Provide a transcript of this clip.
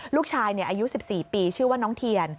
ลูกชายอายุ๑๔ปีชื่อว่าน้องเทียน